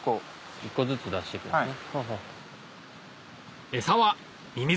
１個ずつ出して行くんですね。